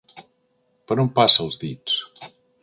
Per on passa els dits?